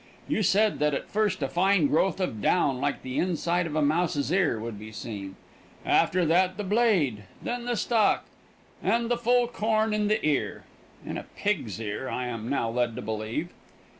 You said that at first a fine growth of down, like the inside of a mouse's ear, would be seen, after that the blade, then the stalk, and the full corn in the ear. In a pig's ear, I am now led to believe.